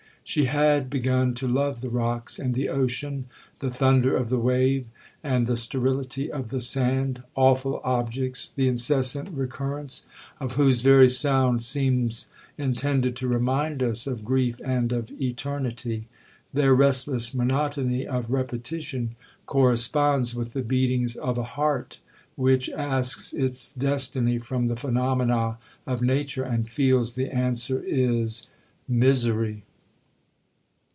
She had begun to love the rocks and the ocean, the thunder of the wave, and the sterility of the sand,—awful objects, the incessant recurrence of whose very sound seems intended to remind us of grief and of eternity. Their restless monotony of repetition, corresponds with the beatings of a heart which asks its destiny from the phenomena of nature, and feels the answer is—'Misery.'